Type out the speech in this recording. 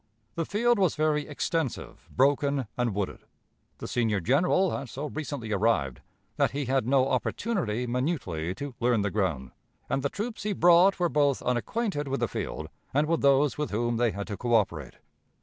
The field was very extensive, broken, and wooded. The senior general had so recently arrived that he had no opportunity minutely to learn the ground, and the troops he brought were both unacquainted with the field and with those with whom they had to coöperate.